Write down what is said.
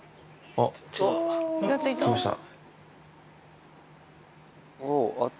あっ、来ました。